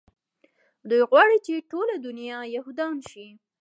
دوى غواړي چې ټوله دونيا يهودان شي.